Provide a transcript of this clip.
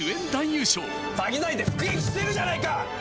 詐欺罪で服役してるじゃないか！